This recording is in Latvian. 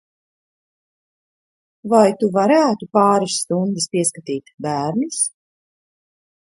Vai tu varētu pāris stundas pieskatīt bērnus?